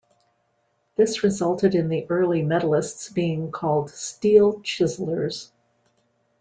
This resulted in the early medalists being called steel-chiselers.